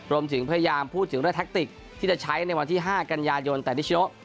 รวมถึงพยายามพูดถึงเรื่องแท็กติกที่จะใช้ในวันที่๕กันยายนแต่นิชโน